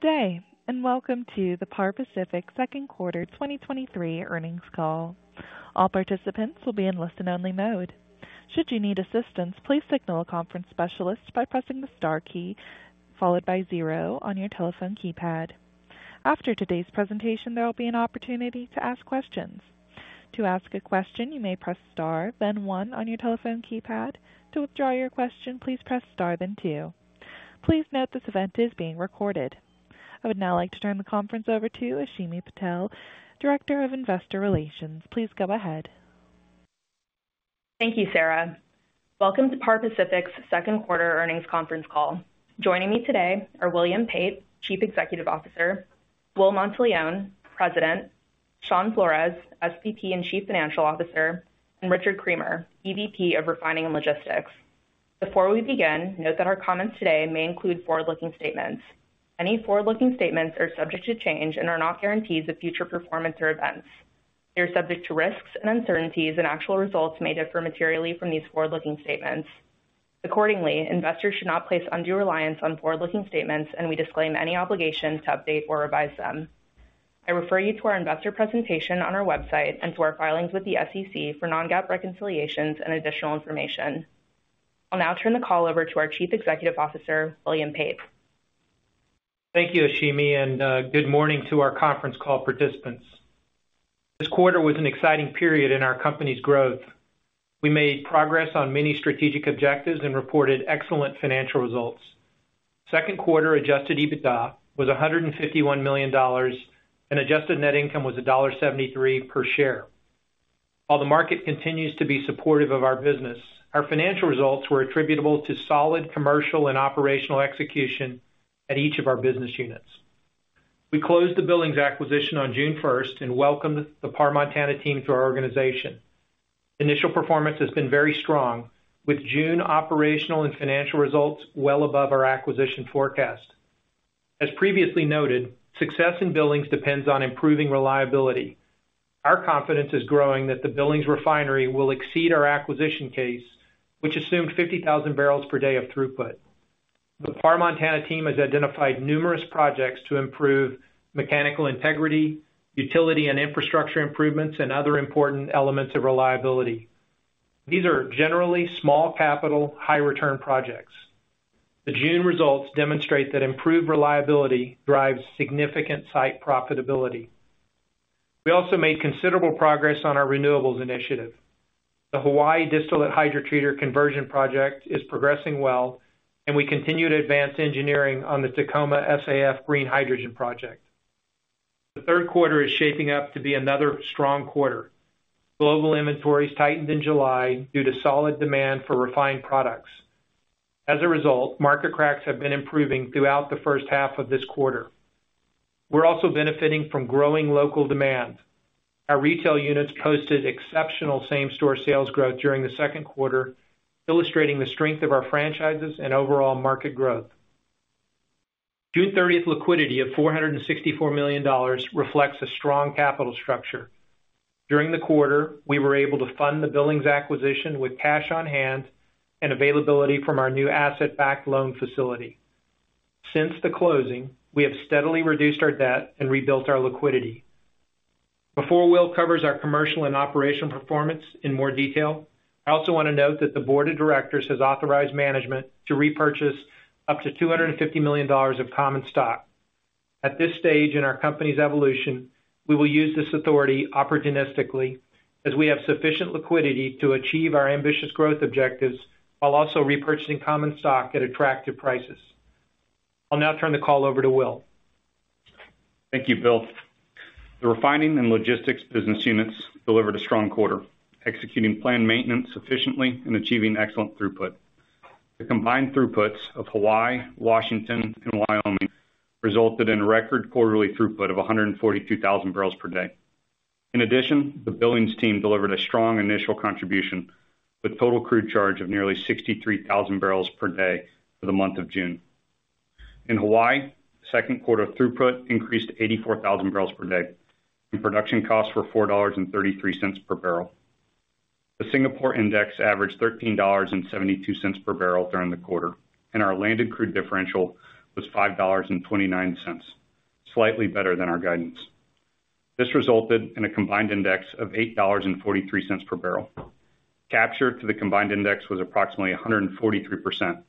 Good day. Welcome to the Par Pacific second quarter 2023 earnings call. All participants will be in listen-only mode. Should you need assistance, please signal a conference specialist by pressing the star key, followed by zero on your telephone keypad. After today's presentation, there will be an opportunity to ask questions. To ask a question, you may press star, then one on your telephone keypad. To withdraw your question, please press star, then two. Please note, this event is being recorded. I would now like to turn the conference over to Ashimi Patel, Director of Investor Relations. Please go ahead. Thank you, Sarah. Welcome to Par Pacific's second quarter earnings conference call. Joining me today are William Pate, Chief Executive Officer, Will Monteleone, President, Shawn Flores, SVP, and Chief Financial Officer, and Richard Creamer, EVP of Refining and Logistics. Before we begin, note that our comments today may include forward-looking statements. Any forward-looking statements are subject to change and are not guarantees of future performance or events. They are subject to risks and uncertainties, and actual results may differ materially from these forward-looking statements. Accordingly, investors should not place undue reliance on forward-looking statements, and we disclaim any obligation to update or revise them. I refer you to our investor presentation on our website and to our filings with the SEC for non-GAAP reconciliations and additional information. I'll now turn the call over to our Chief Executive Officer, William Pate. Thank you, Ashimi. Good morning to our conference call participants. This quarter was an exciting period in our company's growth. We made progress on many strategic objectives and reported excellent financial results. Second quarter adjusted EBITDA was $151 million, and adjusted net income was $1.73 per share. While the market continues to be supportive of our business, our financial results were attributable to solid commercial and operational execution at each of our business units. We closed the Billings Acquisition on June 1st and welcomed the Par Montana team to our organization. Initial performance has been very strong, with June operational and financial results well above our acquisition forecast. As previously noted, success in Billings depends on improving reliability. Our confidence is growing that the Billings refinery will exceed our acquisition case, which assumed 50,000 barrels per day of throughput. The Par Montana team has identified numerous projects to improve mechanical integrity, utility and infrastructure improvements, and other important elements of reliability. These are generally small capital, high return projects. The June results demonstrate that improved reliability drives significant site profitability. We also made considerable progress on our renewables initiative. The Hawaii Distillate Hydrotreater conversion project is progressing well, and we continue to advance engineering on the Tacoma SAF Green Hydrogen Project. The third quarter is shaping up to be another strong quarter. Global inventories tightened in July due to solid demand for refined products. Market cracks have been improving throughout the first half of this quarter. We're also benefiting from growing local demand. Our retail units posted exceptional same-store sales growth during the second quarter, illustrating the strength of our franchises and overall market growth. June 30th liquidity of $464 million reflects a strong capital structure. During the quarter, we were able to fund the Billings Acquisition with cash on hand and availability from our new asset-backed loan facility. Since the closing, we have steadily reduced our debt and rebuilt our liquidity. Before Will covers our commercial and operational performance in more detail, I also want to note that the Board of Directors has authorized management to repurchase up to $250 million of common stock. At this stage in our company's evolution, we will use this authority opportunistically as we have sufficient liquidity to achieve our ambitious growth objectives, while also repurchasing common stock at attractive prices. I'll now turn the call over to Will. Thank you, Bill. The refining and logistics business units delivered a strong quarter, executing plan maintenance efficiently and achieving excellent throughput. The combined throughputs of Hawaii, Washington, and Wyoming resulted in a record quarterly throughput of 142,000 barrels per day. In addition, the Billings team delivered a strong initial contribution, with total crude charge of nearly 63,000 barrels per day for the month of June. In Hawaii, second quarter throughput increased to 84,000 barrels per day, and production costs were $4.33 per barrel. The Singapore index averaged $13.72 per barrel during the quarter, and our landed crude differential was $5.29, slightly better than our guidance. This resulted in a combined index of $8.43 per barrel. Capture to the combined index was approximately 143%,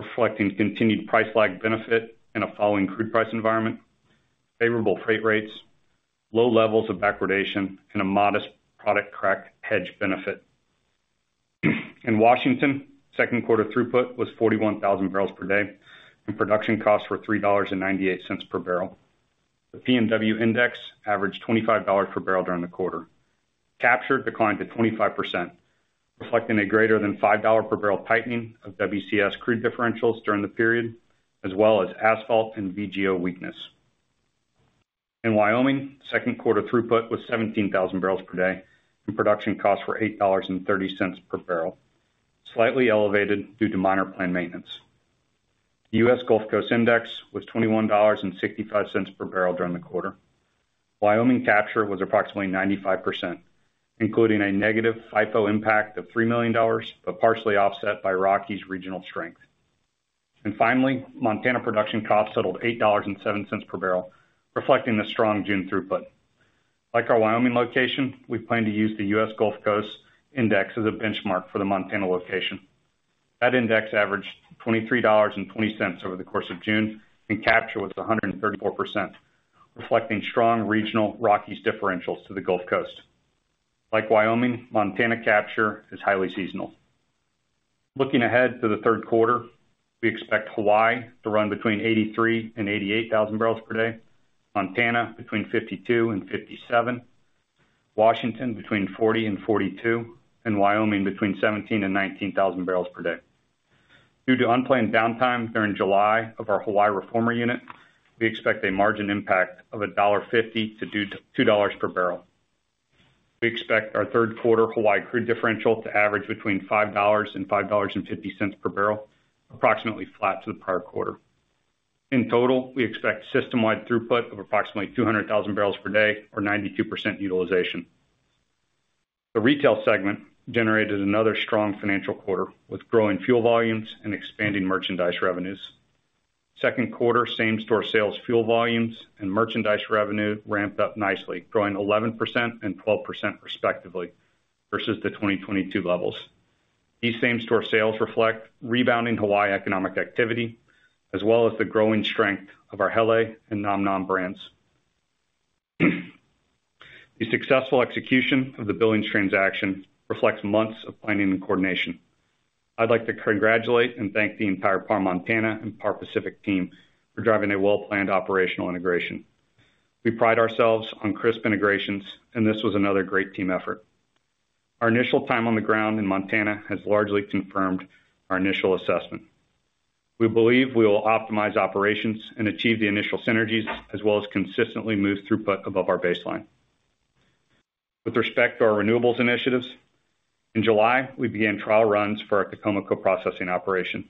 reflecting continued price lag benefit in a falling crude price environment, favorable freight rates, low levels of backwardation, and a modest product crack hedge benefit. In Washington, second quarter throughput was 41,000 barrels per day, and production costs were $3.98 per barrel. The PNW index averaged $25 per barrel during the quarter. Capture declined to 25%, reflecting a greater than $5 per barrel tightening of WCS crude differentials during the period, as well as asphalt and VGO weakness. In Wyoming, second quarter throughput was 17,000 barrels per day, and production costs were $8.30 per barrel, slightly elevated due to minor planned maintenance. The U.S. Gulf Coast Index was $21.65 per barrel during the quarter. Wyoming capture was approximately 95%, including a negative FIFO impact of $3 million, partially offset by Rockies regional strength. Finally, Montana production costs settled $8.07 per barrel, reflecting the strong June throughput. Like our Wyoming location, we plan to use the U.S. Gulf Coast Index as a benchmark for the Montana location. That index averaged $23.20 over the course of June, and capture was 134%, reflecting strong regional Rockies differentials to the Gulf Coast. Like Wyoming, Montana capture is highly seasonal. Looking ahead to the third quarter, we expect Hawaii to run between 83,000-88,000 barrels per day, Montana between 52,000-57,000, Washington between 40,000-42,000, and Wyoming between 17,000-19,000 barrels per day. Due to unplanned downtime during July of our Hawaii reformer unit, we expect a margin impact of $1.50-$2.00 per barrel. We expect our 3rd quarter Hawaii crude differential to average between $5.00 and $5.50 per barrel, approximately flat to the prior quarter. In total, we expect system-wide throughput of approximately 200,000 barrels per day or 92% utilization. The retail segment generated another strong financial quarter, with growing fuel volumes and expanding merchandise revenues. 2nd quarter same-store sales, fuel volumes and merchandise revenue ramped up nicely, growing 11% and 12% respectively, versus the 2022 levels. These same-store sales reflect rebounding Hawaii economic activity, as well as the growing strength of our Hele and nomnom brands. The successful execution of the Billings transaction reflects months of planning and coordination. I'd like to congratulate and thank the entire Par Montana and Par Pacific team for driving a well-planned operational integration. We pride ourselves on crisp integrations, and this was another great team effort. Our initial time on the ground in Montana has largely confirmed our initial assessment. We believe we will optimize operations and achieve the initial synergies, as well as consistently move throughput above our baseline. With respect to our renewables initiatives, in July, we began trial runs for our Tacoma co-processing operation.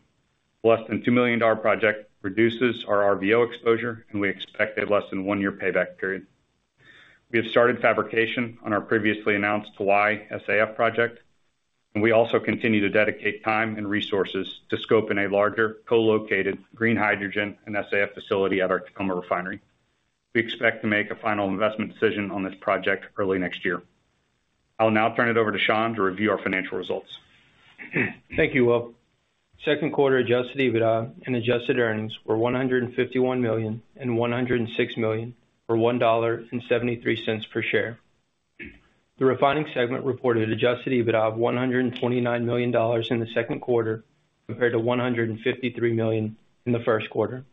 Less than $2 million project reduces our RVO exposure, and we expect a less than one-year payback period. We have started fabrication on our previously announced Hawaii SAF Project, and we also continue to dedicate time and resources to scope in a larger co-located green hydrogen and SAF facility at our Tacoma refinery. We expect to make a final investment decision on this project early next year. I'll now turn it over to Shawn to review our financial results. Thank you, Will. Second quarter adjusted EBITDA and adjusted earnings were $151 million and $106 million, or $1.73 per share. The refining segment reported adjusted EBITDA of $129 million in the second quarter, compared to $153 million in the first quarter.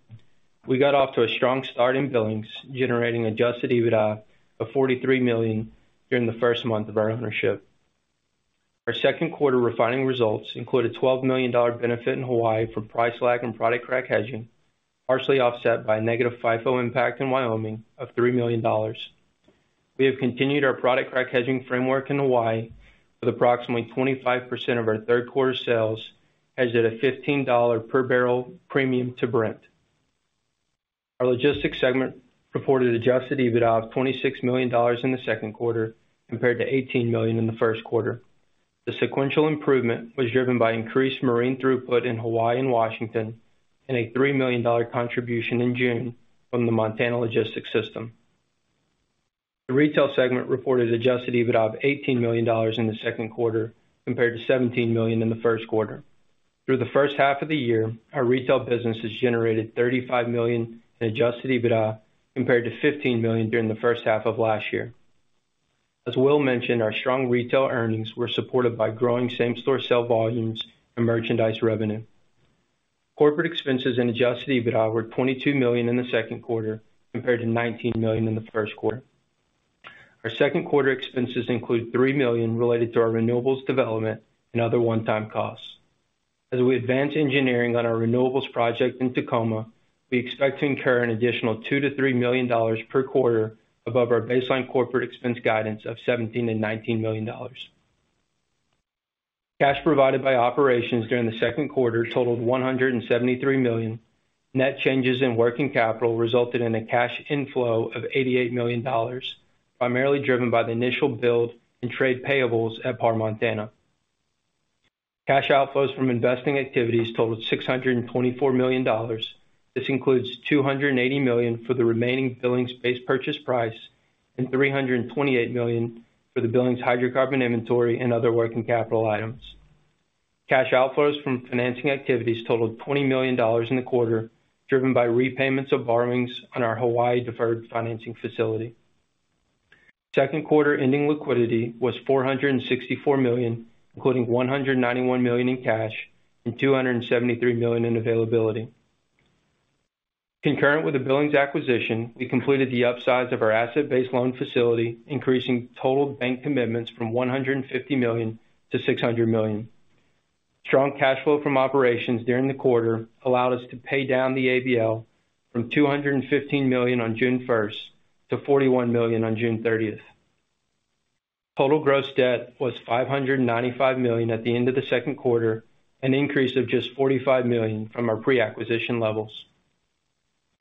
We got off to a strong start in Billings, generating adjusted EBITDA of $43 million during the first month of our ownership. Our second quarter refining results include a $12 million benefit in Hawaii for price lag and product crack hedging, partially offset by a negative FIFO impact in Wyoming of $3 million. We have continued our product crack hedging framework in Hawaii, with approximately 25% of our third quarter sales hedged at a $15 per barrel premium to Brent. Our logistics segment reported adjusted EBITDA of $26 million in the second quarter, compared to $18 million in the first quarter. The sequential improvement was driven by increased marine throughput in Hawaii and Washington, and a $3 million contribution in June from the Montana logistics system. The retail segment reported adjusted EBITDA of $18 million in the second quarter, compared to $17 million in the first quarter. Through the first half of the year, our retail business has generated $35 million in adjusted EBITDA, compared to $15 million during the first half of last year. As Will mentioned, our strong retail earnings were supported by growing same-store sale volumes and merchandise revenue. Corporate expenses and adjusted EBITDA were $22 million in the second quarter, compared to $19 million in the first quarter. Our second quarter expenses include $3 million related to our renewables development and other one-time costs. As we advance engineering on our renewables project in Tacoma, we expect to incur an additional $2 million-$3 million per quarter above our baseline corporate expense guidance of $17 million-$19 million. Cash provided by operations during the second quarter totaled $173 million. Net changes in working capital resulted in a cash inflow of $88 million, primarily driven by the initial build in trade payables at Par Montana. Cash outflows from investing activities totaled $624 million. This includes $280 million for the remaining Billings base purchase price, and $328 million for the Billings hydrocarbon inventory and other working capital items. Cash outflows from financing activities totaled $20 million in the quarter, driven by repayments of borrowings on our Hawaii deferred financing facility. Second quarter ending liquidity was $464 million, including $191 million in cash and $273 million in availability. Concurrent with the Billings Acquisition, we completed the upsize of our asset-based loan facility, increasing total bank commitments from $150 million-$600 million. Strong cash flow from operations during the quarter allowed us to pay down the ABL from $215 million on June 1st to $41 million on June 30th. ...Total gross debt was $595 million at the end of the second quarter, an increase of just $45 million from our pre-acquisition levels.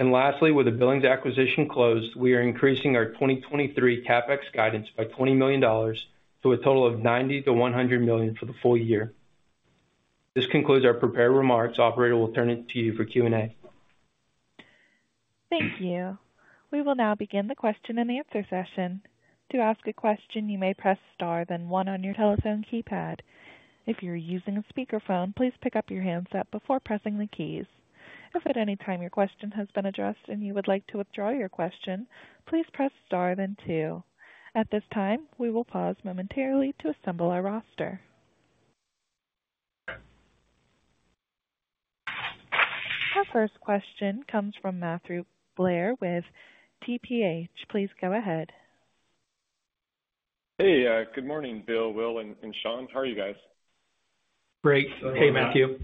Lastly, with the Billings Acquisition closed, we are increasing our 2023 CapEx guidance by $20 million, to a total of $90 million-$100 million for the full year. This concludes our prepared remarks. Operator, we'll turn it to you for Q&A. Thank you. We will now begin the question-and-answer session. To ask a question, you may press star, then 1 on your telephone keypad. If you're using a speakerphone, please pick up your handset before pressing the keys. If at any time your question has been addressed and you would like to withdraw your question, please press star then 2. At this time, we will pause momentarily to assemble our roster. Our first question comes from Matthew Blair with TPH. Please go ahead. Hey, good morning, Bill, Will, and Shawn. How are you guys? Great. Hey, Matthew.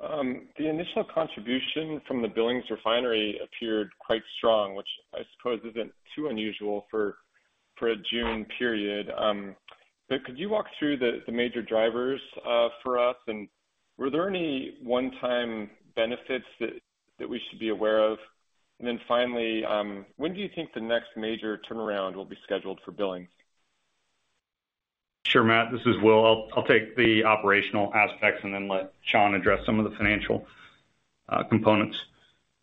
The initial contribution from the Billings refinery appeared quite strong, which I suppose isn't too unusual for, for a June period. Could you walk through the, the major drivers, for us? Were there any one-time benefits that, that we should be aware of? Finally, when do you think the next major turnaround will be scheduled for Billings? Sure, Matt, this is Will. I'll, I'll take the operational aspects and then let Shawn address some of the financial components.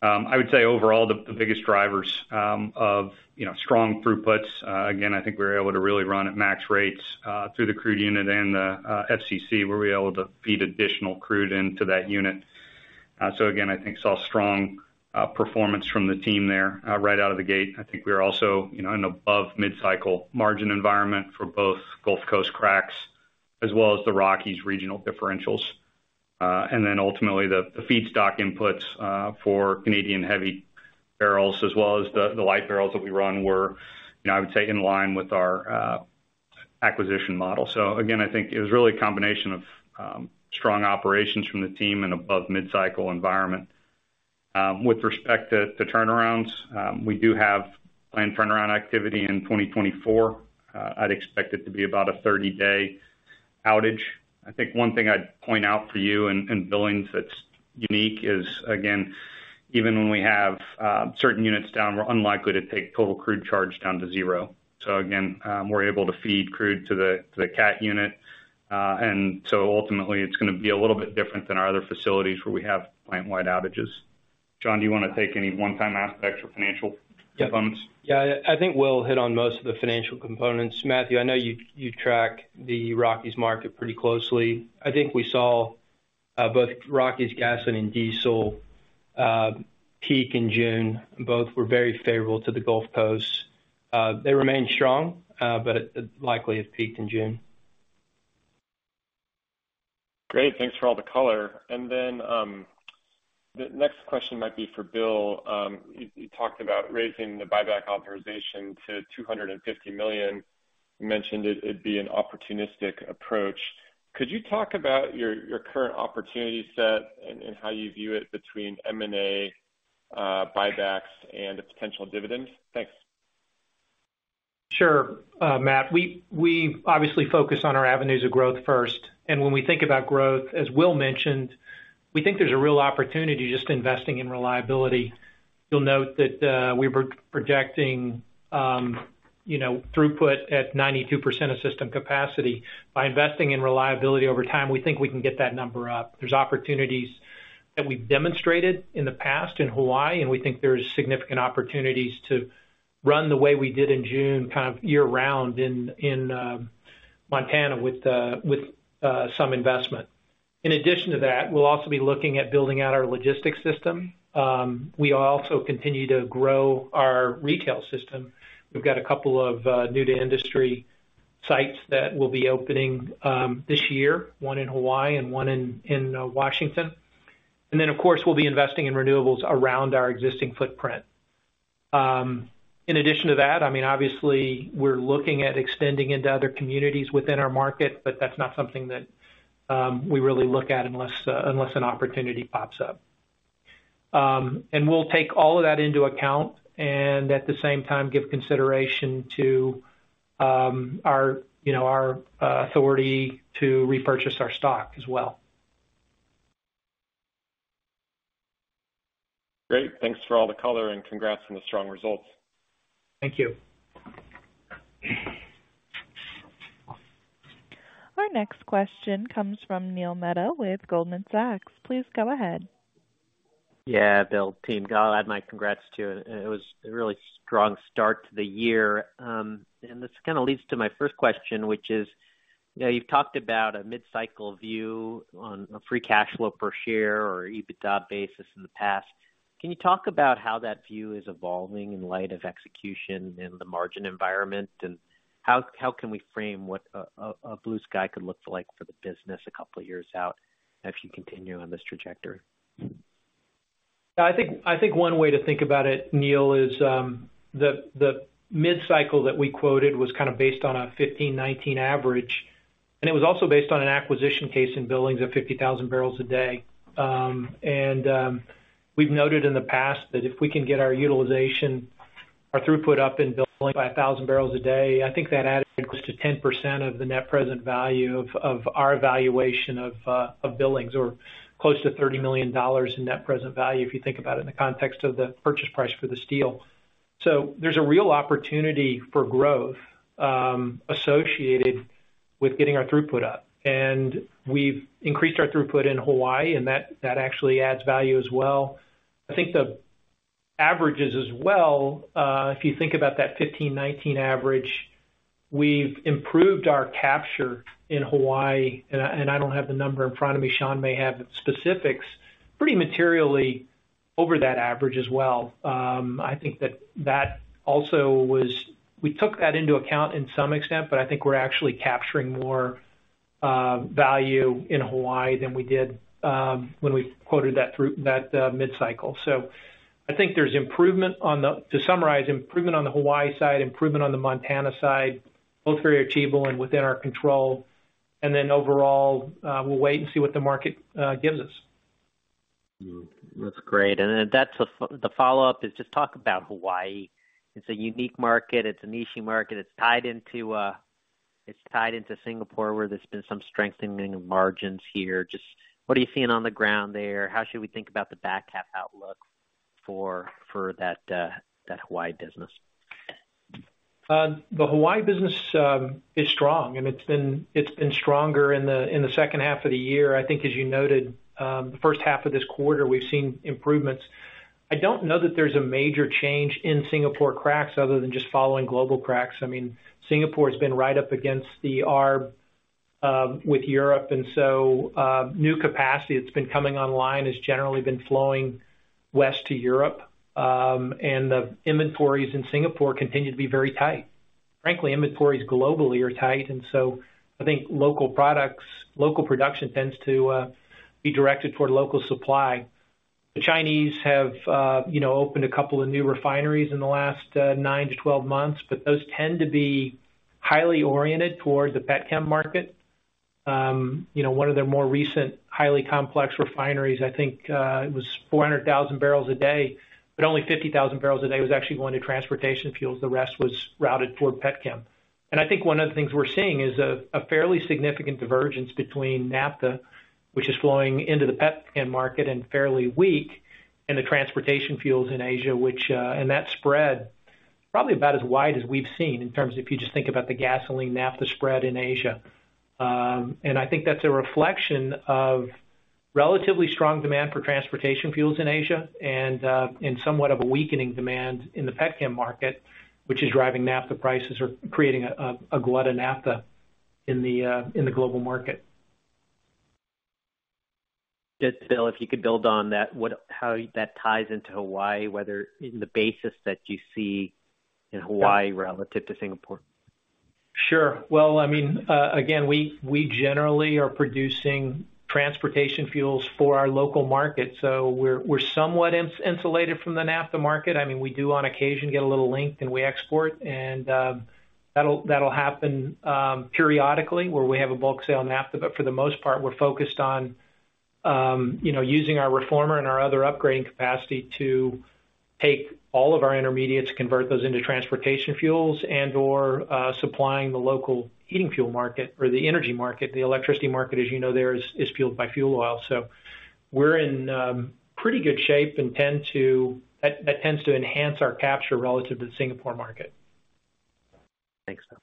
I would say overall, the biggest drivers, you know, of strong throughputs, again, I think we were able to really run at max rates through the crude unit and the FCC, where we were able to feed additional crude into that unit. Again, I think saw strong performance from the team there right out of the gate. I think we are also, you know, in above mid-cycle margin environment for both Gulf Coast cracks, as well as the Rockies regional differentials. Then ultimately, the feedstock inputs for Canadian heavy barrels, as well as the light barrels that we run, were, you know, I would say, in line with our acquisition model. Again, I think it was really a combination of strong operations from the team and above mid-cycle environment. With respect to turnarounds, we do have planned turnaround activity in 2024. I'd expect it to be about a 30-day outage. I think one thing I'd point out for you in Billings that's unique is, again, even when we have certain units down, we're unlikely to take total crude charge down to 0. Again, we're able to feed crude to the cat unit. Ultimately, it's gonna be a little bit different than our other facilities where we have plant-wide outages. Shawn, do you want to take any one-time aspects or financial components? Yeah. I think Will hit on most of the financial components. Matthew, I know you, you track the Rockies market pretty closely. I think we saw, both Rockies gasoline and diesel, peak in June. Both were very favorable to the Gulf Coast. They remain strong, but it likely it peaked in June. Great. Thanks for all the color. Then, the next question might be for Bill. You, you talked about raising the buyback authorization to $250 million. You mentioned it'd be an opportunistic approach. Could you talk about your, your current opportunity set and, and how you view it between M&A, buybacks, and a potential dividend? Thanks. Sure, Matt, we, we obviously focus on our avenues of growth first, and when we think about growth, as Will mentioned, we think there's a real opportunity just investing in reliability. You'll note that we were projecting, you know, throughput at 92% of system capacity. By investing in reliability over time, we think we can get that number up. There's opportunities that we've demonstrated in the past in Hawaii, and we think there is significant opportunities to run the way we did in June, kind of year-round in, in, Montana with, with, some investment. In addition to that, we'll also be looking at building out our logistics system. We also continue to grow our retail system. We've got a couple of new-to-industry sites that will be opening this year, one in Hawaii and one in, in, Washington. Then, of course, we'll be investing in renewables around our existing footprint. In addition to that, I mean, obviously we're looking at extending into other communities within our market, but that's not something that we really look at unless unless an opportunity pops up. And we'll take all of that into account, and at the same time, give consideration to our, you know, our authority to repurchase our stock as well. Great. Thanks for all the color and congrats on the strong results. Thank you. Our next question comes from Neil Mehta with Goldman Sachs. Please go ahead. Yeah, Bill, team, I'll add my congrats, too. It was a really strong start to the year. This kind of leads to my first question, which is: You know, you've talked about a mid-cycle view on a free cash flow per share or EBITDA basis in the past. Can you talk about how that view is evolving in light of execution in the margin environment? How can we frame what a blue sky could look like for the business a couple of years out if you continue on this trajectory? I think, I think one way to think about it, Neil, is the mid-cycle that we quoted was kind of based on a 2015, 2019 average. It was also based on an acquisition case in Billings of 50,000 barrels a day. We've noted in the past that if we can get our utilization, our throughput up in Billings by 1,000 barrels a day, I think that added close to 10% of the net present value of our evaluation of Billings, or close to $30 million in net present value, if you think about it in the context of the purchase price for this deal. There's a real opportunity for growth associated with getting our throughput up. We've increased our throughput in Hawaii, and that, that actually adds value as well. I think the averages as well, if you think about that 15, 19 average, we've improved our capture in Hawaii, and I, and I don't have the number in front of me, Shawn may have the specifics, pretty materially over that average as well. I think that that also was, we took that into account in some extent, but I think we're actually capturing more value in Hawaii than we did, when we quoted that, that mid-cycle. I think there's improvement on the, to summarize, improvement on the Hawaii side, improvement on the Montana side, both very achievable and within our control. Overall, we'll wait and see what the market gives us. Hmm, that's great. Then that's the follow-up is just talk about Hawaii. It's a unique market. It's a niche market. It's tied into, it's tied into Singapore, where there's been some strengthening of margins here. Just what are you seeing on the ground there? How should we think about the back half outlook for, for that, that Hawaii business? The Hawaii business, is strong, and it's been, it's been stronger in the, in the second half of the year. I think, as you noted, the first half of this quarter, we've seen improvements. I don't know that there's a major change in Singapore cracks other than just following global cracks. I mean, Singapore has been right up against the arb with Europe. New capacity that's been coming online has generally been flowing west to Europe. The inventories in Singapore continue to be very tight. Frankly, inventories globally are tight. I think local products, local production tends to be directed toward local supply. The Chinese have, you know, opened a couple of new refineries in the last 9-12 months, but those tend to be highly oriented toward the petchem market. You know, one of their more recent, highly complex refineries, I think, it was 400,000 barrels a day, but only 50,000 barrels a day was actually going to transportation fuels. The rest was routed toward petchem. I think one of the things we're seeing is a, a fairly significant divergence between naphtha, which is flowing into the petchem market and fairly weak, and the transportation fuels in Asia, which... That spread probably about as wide as we've seen in terms of if you just think about the gasoline naphtha spread in Asia. I think that's a reflection of relatively strong demand for transportation fuels in Asia and, and somewhat of a weakening demand in the petchem market, which is driving naphtha prices or creating a, a, a glut of naphtha in the global market. Just, Bill, if you could build on that, how that ties into Hawaii, whether in the basis that you see in Hawaii relative to Singapore? Sure. Well, I mean, again, we, we generally are producing transportation fuels for our local market, so we're, we're somewhat insulated from the naphtha market. I mean, we do, on occasion, get a little length and we export, and that'll, that'll happen periodically, where we have a bulk sale naphtha. But for the most part, we're focused on, you know, using our reformer and our other upgrading capacity to take all of our intermediates, convert those into transportation fuels and/or supplying the local heating fuel market or the energy market. The electricity market, as you know, there is, is fueled by fuel oil. So we're in pretty good shape and tend to. That tends to enhance our capture relative to the Singapore market. Thanks, Bill.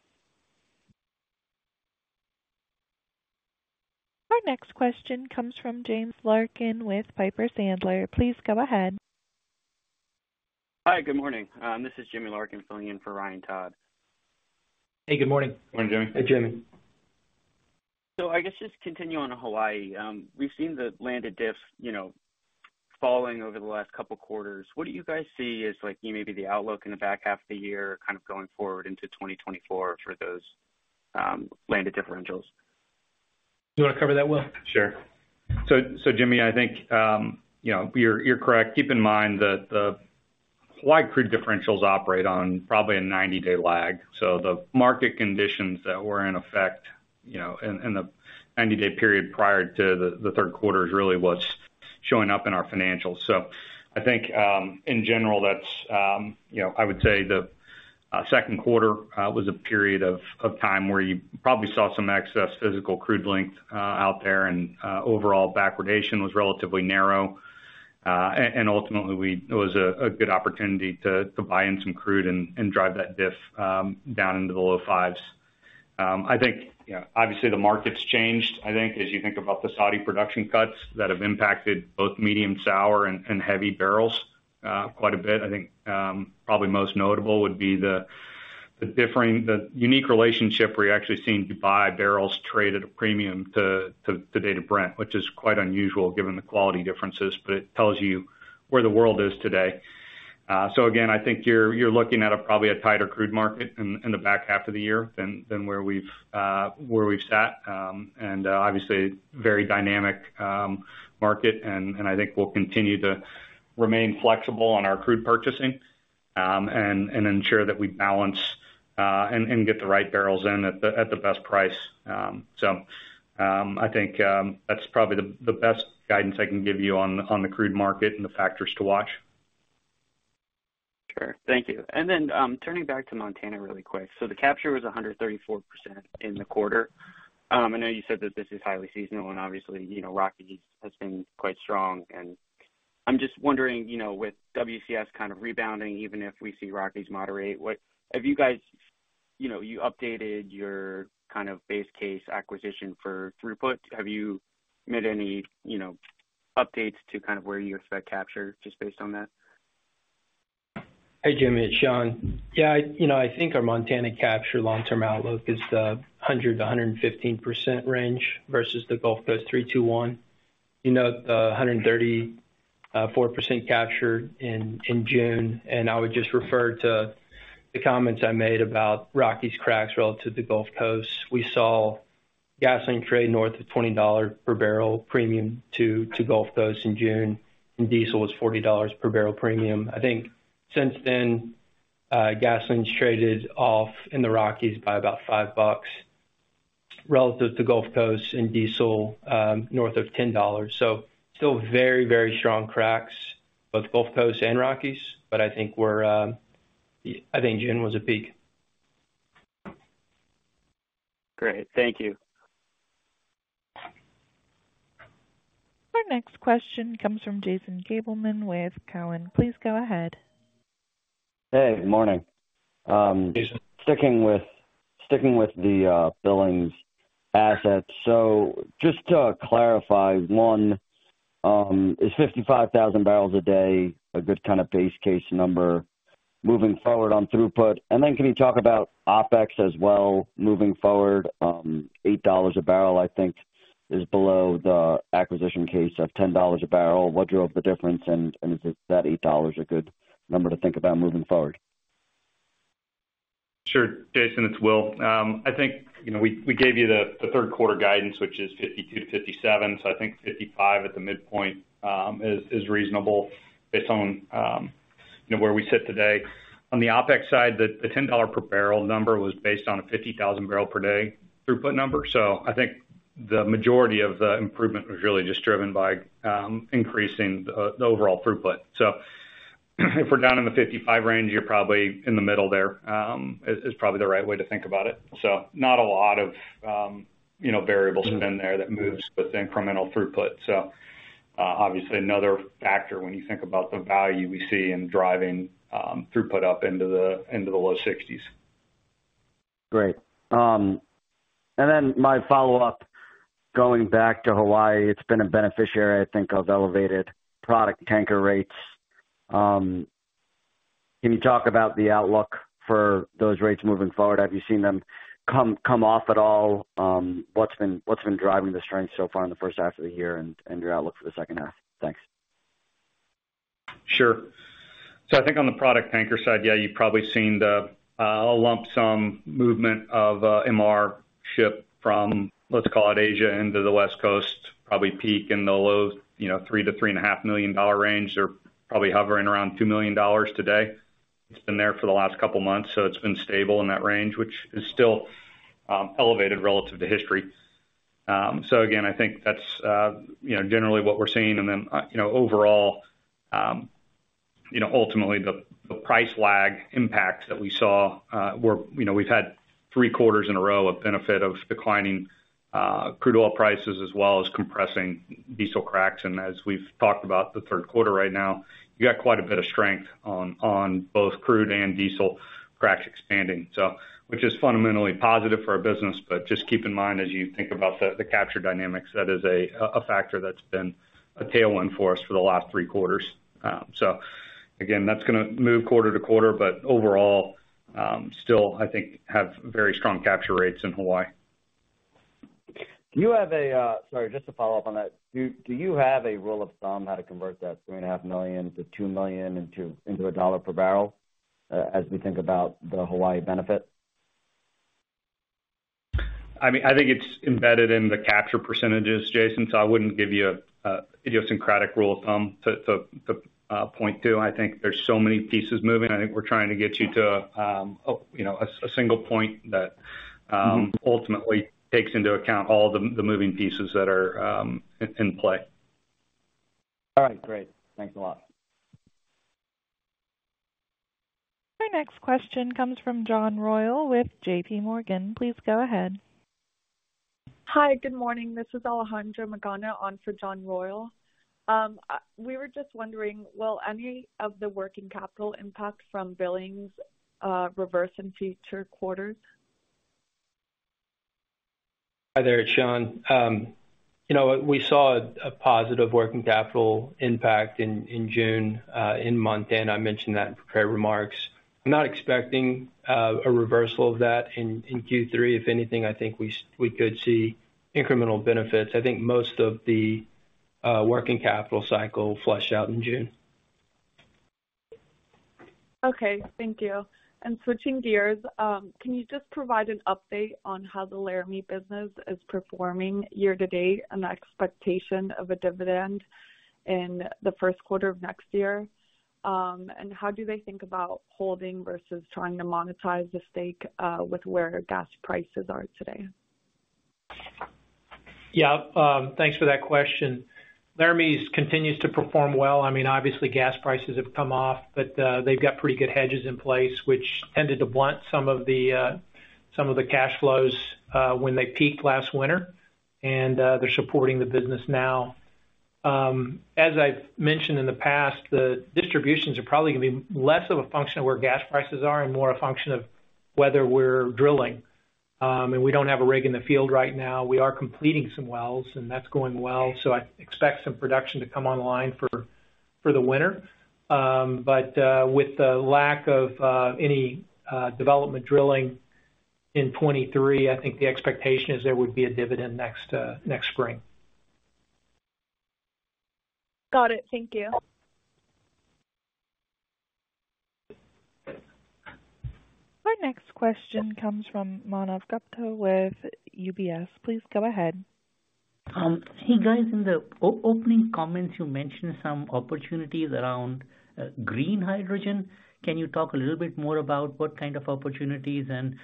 Our next question comes from James Larkin with Piper Sandler. Please go ahead. Hi, good morning. This is Jimmy Larkin, filling in for Ryan Todd. Hey, good morning. Morning, Jimmy. Hey, Jimmy. I guess just continuing on Hawaii. We've seen the landed diffs, you know, falling over the last couple of quarters. What do you guys see as, like, maybe the outlook in the back half of the year, kind of going forward into 2024 for those landed differentials? You want to cover that, Will? Sure. Jimmy, I think, you know, you're, you're correct. Keep in mind that the Hawaii crude differentials operate on probably a 90-day lag. The market conditions that were in effect, you know, in, in the 90-day period prior to the 3rd quarter is really what's showing up in our financials. I think, in general, that's, you know, I would say the 2nd quarter was a period of time where you probably saw some excess physical crude length out there, and overall backwardation was relatively narrow. And ultimately, we-- it was a good opportunity to buy in some crude and drive that diff down into the low 5s. I think, you know, obviously, the market's changed. I think as you think about the Saudi production cuts that have impacted both medium sour and, and heavy barrels, quite a bit. I think, probably most notable would be the unique relationship where you're actually seeing Dubai barrels trade at a premium to, to, to Dated Brent, which is quite unusual given the quality differences, but it tells you where the world is today. Again, I think you're, you're looking at a probably a tighter crude market in, in the back half of the year than, than where we've, where we've sat. Obviously, very dynamic, market, and, and I think we'll continue to remain flexible on our crude purchasing. And, and ensure that we balance, and, and get the right barrels in at the, at the best price. I think that's probably the best guidance I can give you on the crude market and the factors to watch. Sure. Thank you. Then, turning back to Montana really quick. The capture was 134% in the quarter. I know you said that this is highly seasonal, and obviously, you know, Rockies has been quite strong. I'm just wondering, you know, with WCS kind of rebounding, even if we see Rockies moderate, you know, you updated your kind of base case acquisition for throughput. Have you made any, you know, updates to kind of where you expect capture just based on that? Hey, Jim, it's Shawn. Yeah, you know, I think our Montana capture long-term outlook is the 100%-115% range versus the Gulf Coast, 3-2-1. You know, the 134% capture in June, I would just refer to the comments I made about Rockies cracks relative to Gulf Coast. We saw gasoline trade north of $20 per barrel premium to Gulf Coast in June, and diesel was $40 per barrel premium. I think since then, gasoline's traded off in the Rockies by about $5 relative to Gulf Coast and diesel north of $10. Still very, very strong cracks, both Gulf Coast and Rockies, but I think we're, I think June was a peak. Great. Thank you. Our next question comes from Jason Gabelman with Cowen. Please go ahead. Hey, good morning. Jason. sticking with, sticking with the Billings asset. So just to clarify, one, is 55,000 barrels a day a good kind of base case number moving forward on throughput? Then can you talk about OpEx as well, moving forward, $8 a barrel, I think is below the acquisition case of $10 a barrel? What drove the difference, and, and is that $8 a good number to think about moving forward? Sure, Jason, it's Will. I think, you know, we, we gave you the, the third quarter guidance, which is 52-57, I think 55 at the midpoint is reasonable based on, you know, where we sit today. On the OpEx side, the, the $10 per barrel number was based on a 50,000 barrel per day throughput number. I think the majority of the improvement was really just driven by increasing the, the overall throughput. If we're down in the 55 range, you're probably in the middle there, is probably the right way to think about it. Not a lot of, you know, variable spend there that moves with incremental throughput. Obviously, another factor when you think about the value we see in driving throughput up into the, into the low 60s. Great. My follow-up, going back to Hawaii, it's been a beneficiary, I think, of elevated product tanker rates. Can you talk about the outlook for those rates moving forward? Have you seen them come, come off at all? What's been, what's been driving the strength so far in the first half of the year and, and your outlook for the second half? Thanks. Sure. I think on the product tanker side, yeah, you've probably seen the a lump sum movement of MR tanker from, let's call it Asia, into the West Coast, probably peak in the low, you know, $3 million-$3.5 million range, or probably hovering around $2 million today. It's been there for the last couple of months, so it's been stable in that range, which is still elevated relative to history. Again, I think that's, you know, generally what we're seeing. Overall, you know, ultimately the price lag impacts that we saw were, you know, we've had 3 quarters in a row of benefit of declining crude oil prices as well as compressing diesel cracks. As we've talked about the third quarter right now, you got quite a bit of strength on, on both crude and diesel cracks expanding, which is fundamentally positive for our business. Just keep in mind, as you think about the capture dynamics, that is a factor that's been a tailwind for us for the last three quarters. Again, that's going to move quarter to quarter, but overall, still, I think, have very strong capture rates in Hawaii. Do you have a... Sorry, just to follow up on that. Do, do you have a rule of thumb how to convert that 3.5 million-2 million into, into a dollar per barrel as we think about the Hawaii benefit? I mean, I think it's embedded in the capture percentages, Jason, so I wouldn't give you a idiosyncratic rule of thumb to point to. I think there's so many pieces moving. I think we're trying to get you to, you know, a single point that ultimately takes into account all the moving pieces that are in play. All right, great. Thanks a lot. Our next question comes from John Royall with J.P. Morgan. Please go ahead. Hi, good morning. This is Alejandra Magana on for John Royall. We were just wondering, will any of the working capital impact from Billings reverse in future quarters? Hi there, it's Shawn. You know, we saw a positive working capital impact in, in June, in Montana. I mentioned that in prepared remarks. I'm not expecting a reversal of that in, in Q3. If anything, I think we could see incremental benefits. I think most of the working capital cycle flushed out in June. Okay, thank you. Switching gears, can you just provide an update on how the Laramie business is performing year to date and the expectation of a dividend?... in the first quarter of next year? How do they think about holding versus trying to monetize the stake with where gas prices are today? Yeah, thanks for that question. Laramie's continues to perform well. I mean, obviously, gas prices have come off, but they've got pretty good hedges in place, which tended to blunt some of the some of the cash flows when they peaked last winter, and they're supporting the business now. As I've mentioned in the past, the distributions are probably gonna be less of a function of where gas prices are and more a function of whether we're drilling. We don't have a rig in the field right now. We are completing some wells, and that's going well, so I expect some production to come online for, for the winter. With the lack of any development drilling in 2023, I think the expectation is there would be a dividend next spring. Got it. Thank you. Our next question comes from Manav Gupta with UBS. Please go ahead. Hey, guys. In the opening comments, you mentioned some opportunities around green hydrogen. Can you talk a little bit more about what kind of opportunities and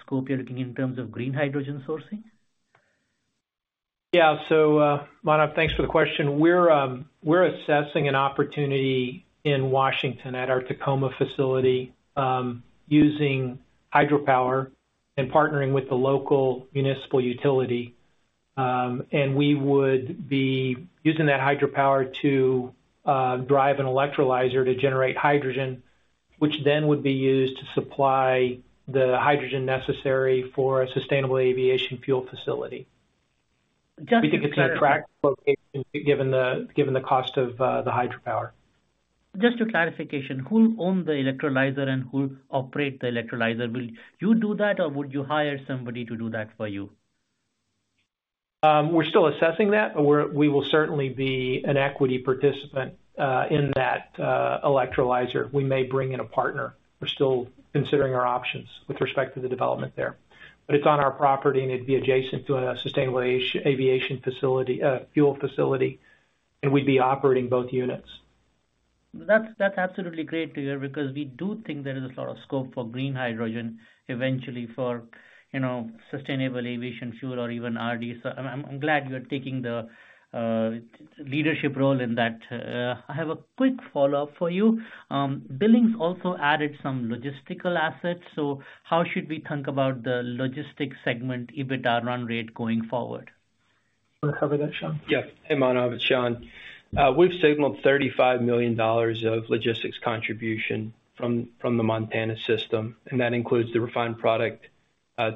scope you're looking in terms of green hydrogen sourcing? Yeah. Manav, thanks for the question. We're assessing an opportunity in Washington at our Tacoma facility, using hydropower and partnering with the local municipal utility. We would be using that hydropower to drive an electrolyzer to generate hydrogen, which then would be used to supply the hydrogen necessary for a sustainable aviation fuel facility. Just- We think it's an attractive location, given the, given the cost of the hydropower. Just a clarification, who own the electrolyzer and who operate the electrolyzer? Will you do that, or would you hire somebody to do that for you? We're still assessing that, but we will certainly be an equity participant in that electrolyzer. We may bring in a partner. We're still considering our options with respect to the development there. It's on our property, and it'd be adjacent to a sustainable aviation facility, fuel facility, and we'd be operating both units. That's, that's absolutely great to hear, because we do think there is a lot of scope for green hydrogen eventually for, you know, sustainable aviation fuel or even RD. I'm, I'm glad you're taking the leadership role in that. I have a quick follow-up for you. Billings also added some logistical assets. How should we think about the logistics segment, EBITDA run rate, going forward? Wanna cover that, Shawn? Yeah. Hey, Manav, it's Shawn. We've signaled $35 million of logistics contribution from, from the Montana system, and that includes the refined product,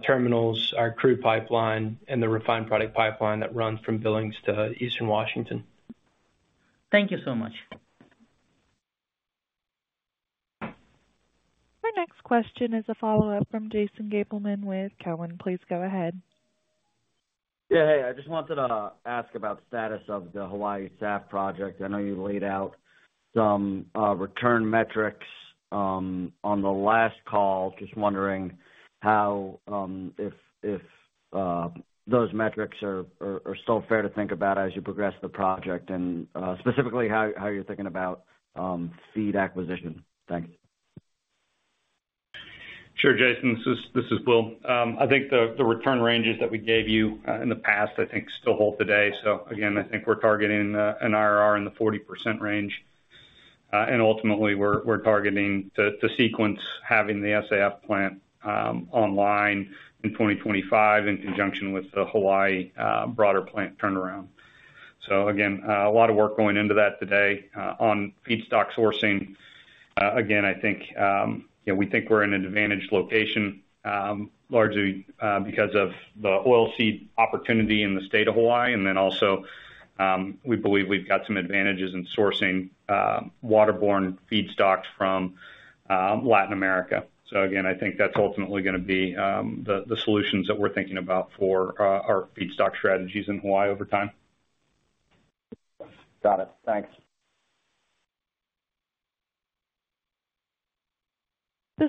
terminals, our crude pipeline, and the refined product pipeline that runs from Billings to Eastern Washington. Thank you so much. Our next question is a follow-up from Jason Gabelman with Cowen. Please go ahead. Yeah, hey, I just wanted to ask about status of the Hawaii SAF Project. I know you laid out some return metrics on the last call. Just wondering how if those metrics are still fair to think about as you progress the project, and specifically, how you're thinking about feed acquisition? Thanks. Sure, Jason. This is, this is Bill. I think the, the return ranges that we gave you in the past, I think, still hold today. So again, I think we're targeting an IRR in the 40% range. And ultimately, we're, we're targeting to, to sequence having the SAF plant online in 2025, in conjunction with the Hawaii broader plant turnaround. So again, a lot of work going into that today on feedstock sourcing. Again, I think, you know, we think we're in an advantaged location, largely because of the oilseed opportunity in the state of Hawaii, and then also, we believe we've got some advantages in sourcing waterborne feedstocks from Latin America. Again, I think that's ultimately gonna be, the, the solutions that we're thinking about for, our feedstock strategies in Hawaii over time. Got it. Thanks. This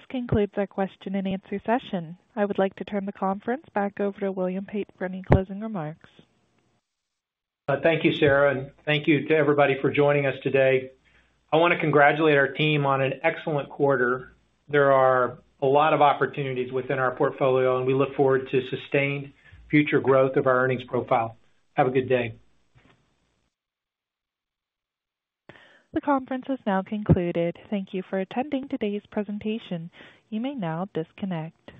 concludes our question and answer session. I would like to turn the conference back over to William Pate for any closing remarks. Thank you, Sarah. Thank you to everybody for joining us today. I want to congratulate our team on an excellent quarter. There are a lot of opportunities within our portfolio. We look forward to sustained future growth of our earnings profile. Have a good day. The conference is now concluded. Thank you for attending today's presentation. You may now disconnect.